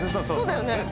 そうだよね？